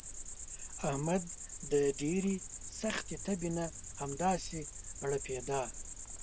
احمد د ډېرې سختې تبې نه همداسې ړپېدا.